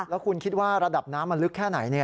แล้วคุณคิดว่าระดับน้ำมันลึกแค่ไหน